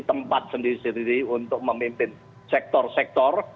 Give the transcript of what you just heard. tempat sendiri sendiri untuk memimpin sektor sektor